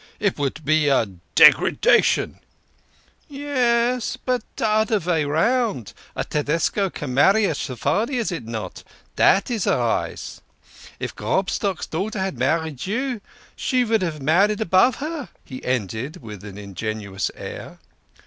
It would be a degradation." "Yes but de oder vay round. A Tedesco can marry a Sephardi, not so ? Dat is a rise. If Grobstock's daughter had married you, she vould have married above her," he ended, with an ingenuous air.